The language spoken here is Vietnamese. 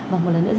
và một lần nữa